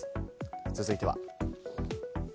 続いては。